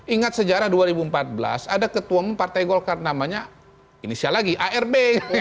ingat sejarah dua ribu empat belas ada ketua partai golkar namanya inisial lagi arb